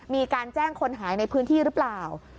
มีการแจ้งคนหายในพื้นที่หรือเปล่า